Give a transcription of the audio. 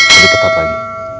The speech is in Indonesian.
jadi ketat lagi